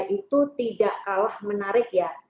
itu tidak kalah menarik ya